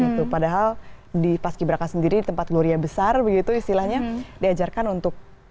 gitu padahal di paski braka sendiri di tempat gloria besar begitu istilahnya diajarkan untuk